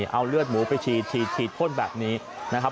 เอาเลือดหมูไปฉีดพ่นแบบนี้นะครับ